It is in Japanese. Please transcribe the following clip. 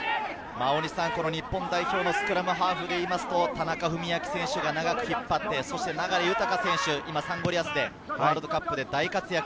日本代表のスクラムハーフでいうと、田中史朗選手が長く引っ張って、流大選手、今はサンゴリアスで、ワールドカップで大活躍。